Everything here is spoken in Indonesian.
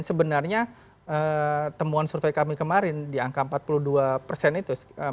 sebenarnya temuan survei kami kemarin di angka empat puluh dua persen itu